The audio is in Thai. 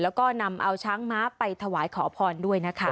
แล้วก็นำเอาช้างม้าไปถวายขอพรด้วยนะคะ